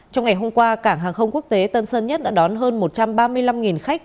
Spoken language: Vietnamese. trong ngày hôm qua cảng hàng không quốc tế tân sơn nhất đã đón hơn một trăm ba mươi năm khách